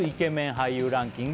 俳優ランキング